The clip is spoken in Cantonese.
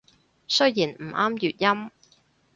雖然唔啱粵音